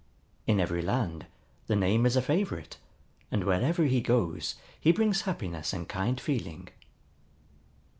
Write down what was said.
In every land the name is a favorite, and wherever he goes he brings happiness and kind feeling.